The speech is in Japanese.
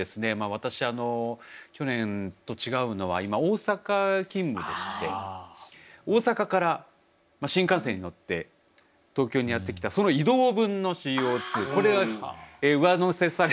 私去年と違うのは今大阪勤務でして大阪から新幹線に乗って東京にやって来たその移動分のＣＯこれが上乗せされて１トンを超えてしまったと。